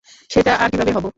সেটা আর কীভাবে হবো।